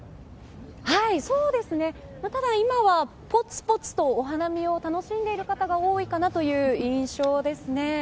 ただ、今はぽつぽつとお花見を楽しんでいる人が多いかなという印象ですね。